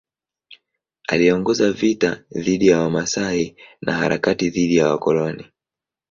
Aliongoza vita dhidi ya Wamasai na harakati dhidi ya wakoloni.